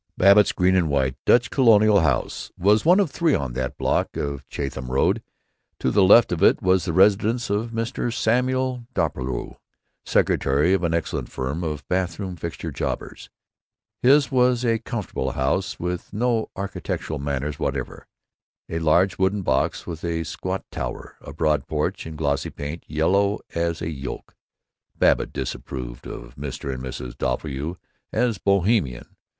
Babbitt's green and white Dutch Colonial house was one of three in that block on Chatham Road. To the left of it was the residence of Mr. Samuel Doppelbrau, secretary of an excellent firm of bathroom fixture jobbers. His was a comfortable house with no architectural manners whatever; a large wooden box with a squat tower, a broad porch, and glossy paint yellow as a yolk. Babbitt disapproved of Mr. and Mrs. Doppelbrau as "Bohemian."